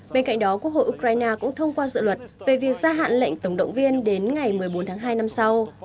bên cạnh đó quốc hội ukraine cũng thông qua dự luật về việc gia hạn lệnh tổng động viên đến ngày một mươi bốn tháng hai năm sau